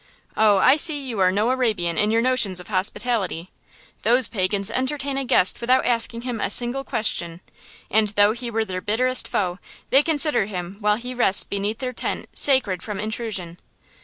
"Oh, I see you are no Arabian in your notions of hospitality! Those pagans entertain a guest without asking him a single question; and though he were their bitterest foe, they consider him while he rests beneath their tent sacred from intrusion."